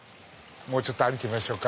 もうちょっと歩いてみましょう。